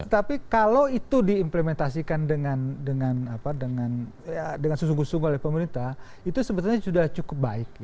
tapi kalau itu diimplementasikan dengan susung susung oleh pemerintah itu sebenarnya sudah cukup baik